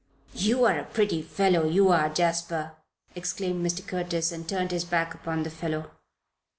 "You're a pretty fellow, you are, Jasper!" exclaimed Mr. Curtis, and turned his back upon the fellow.